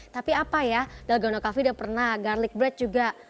tapi apa ya dalgaon no kalfi udah pernah garlic bread juga